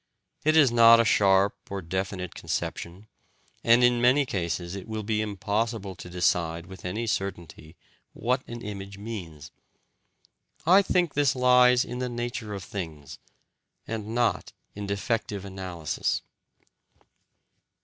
It is not a sharp or definite conception, and in many cases it will be impossible to decide with any certainty what an image means. I think this lies in the nature of things, and not in defective analysis.